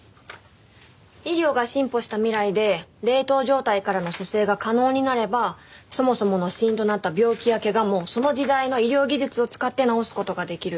医療が進歩した未来で冷凍状態からの蘇生が可能になればそもそもの死因となった病気や怪我もその時代の医療技術を使って治す事ができる。